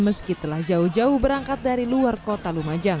meski telah jauh jauh berangkat dari luar kota lumajang